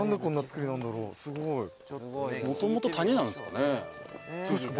・もともと谷なんですかね。